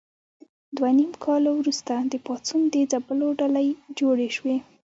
دوه نیم کاله وروسته د پاڅون د ځپلو ډلې جوړې شوې.